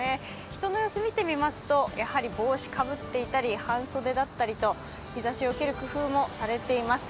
人の様子、見てみますと、やはり帽子をかぶっていたり半袖だったりと日ざしをよける工夫もされています。